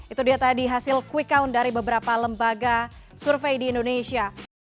itu dia tadi hasil quick count dari beberapa lembaga survei di indonesia